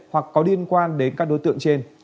hoặc có liên quan đến các đối tượng trên